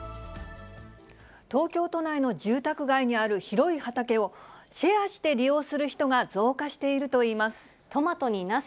東京都内の住宅街にある広い畑をシェアして利用する人が増加しているといいます。